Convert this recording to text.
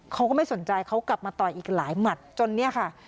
เขาก็ไม่สนใจเขากลับมาต่อยอีกหลายหมัดจนเนี่ยค่ะ